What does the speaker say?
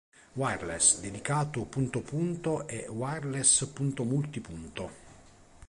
Wireless dedicato punto-punto e Wireless punto-multipunto.